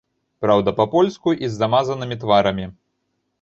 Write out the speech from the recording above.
Праўда, па-польску і з замазанымі тварамі.